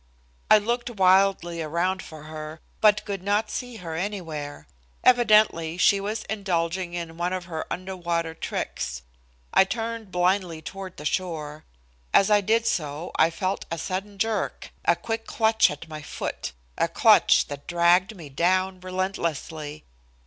I looked wildly around for her, but could not see her anywhere. Evidently she was indulging in one of her underwater tricks. I turned blindly toward the shore. As I did so I felt a sudden jerk, a quick clutch at my foot, a clutch that dragged me down relentlessly.